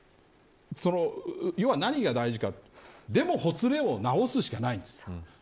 要は、何が大事かというとでもほつれを直すしかないんです。